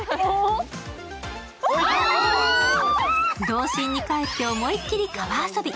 童心に帰って思い切り川遊び。